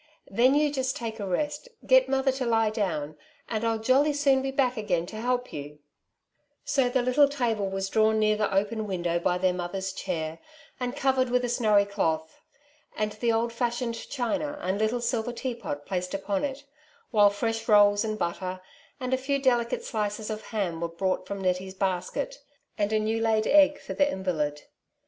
Then yon just take a rest^ get mother to lie down, and I'll jolly soon be back again to help you/' So the little table was drawn near the open window by their mother's chair, and covered with a snowy cloth, and the old fashioned china and Uttle silver teapot placed upon it ; while fresh rolls and butter, and a few delicate slices of ham, were brought from Nettie's basket, and a new laid egg for the invalid.